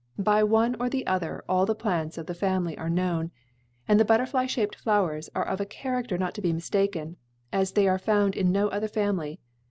By one or the other all the plants of the family are known, and the butterfly shaped flowers are of a character not to be mistaken, as they are found in no other family.